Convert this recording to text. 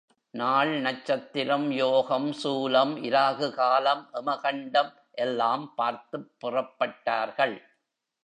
நாள், நட்சத்திரம், யோகம், சூலம் இராகுகாலம், எமகண்டம் எல்லாம் பார்த்துப் புறப்பட்டார்கள்.